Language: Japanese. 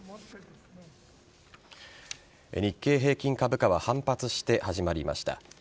日経平均株価は反発して始まりました。